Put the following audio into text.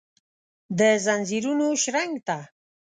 دځنځیرونو شرنګ ته ،